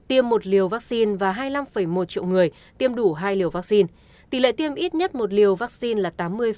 tiêm một liều vắc xin và hai mươi năm một triệu người tiêm đủ hai liều vắc xin tỷ lệ tiêm ít nhất một liều vắc xin là tám mươi bốn